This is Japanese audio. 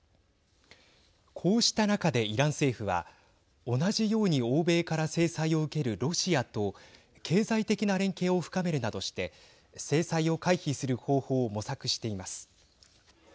こうした中で、イラン政府は同じように欧米から制裁を受けるロシアと経済的な連携を深めるなどして制裁を回避する方法を模索しています。